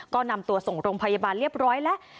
ก็นำตัวส่งโรงพยาบาลเรียบร้อยแล้ว